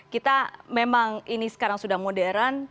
kita memang ini sekarang sudah modern